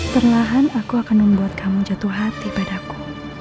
perlahan aku akan membuat kamu jatuh hati padaku